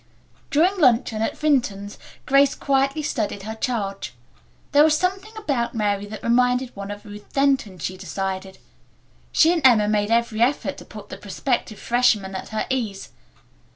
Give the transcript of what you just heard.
During luncheon at Vinton's Grace quietly studied her charge. There was something about Mary that reminded one of Ruth Denton, she decided. She and Emma made every effort to put the prospective freshman at her ease.